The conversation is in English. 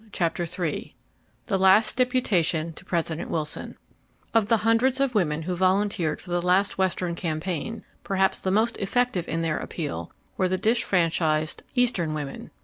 Chapter 3 The Last Deputation to President Wilson Of the hundreds of women who volunteered for the last Western campaign, perhaps the most effective in their appeal were the disfranchised Eastern women.